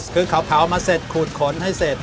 คือเผามาเสร็จขูดขนให้เสร็จ